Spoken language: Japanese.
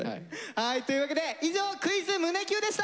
はいというわけで以上「クイズ胸Ｑ」でした！